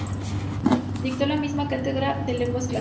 Dictó la misma cátedra de Lenguas Clásicas.